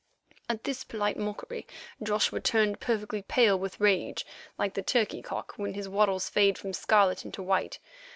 At this polite mockery Joshua turned perfectly pale with rage, like the turkey cock when his wattles fade from scarlet into white.